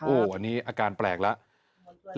อันนี้อาการแปลกแล้ว